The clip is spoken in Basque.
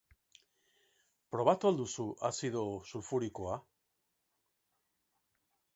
Probatu al duzu azido sulfurikoa?